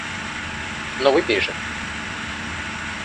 Ну, выпей же.